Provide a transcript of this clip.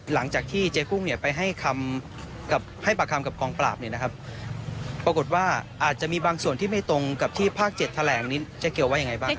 หลังจากที่เจ๊กุ้งเนี่ยไปให้ปากคำกับกองปราบเนี่ยนะครับปรากฏว่าอาจจะมีบางส่วนที่ไม่ตรงกับที่ภาค๗แถลงนี้เจ๊เกียวว่ายังไงบ้าง